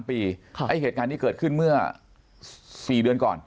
๓ปีไอ้เหตุงานที่เกิดขึ้นเมื่อ๔เดือนก่อน